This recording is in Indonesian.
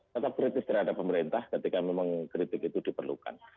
tetap kritis terhadap pemerintah ketika memang kritik itu diperlukan